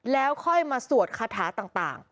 แล้วค่อยมาสวดคาถาต่าง